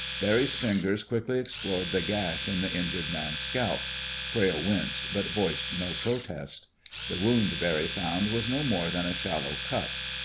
Barry's fingers quickly explored the gash in the injured man's scalp. Crayle winced but voiced no protest. The wound, Barry found, was no more than a shallow cut.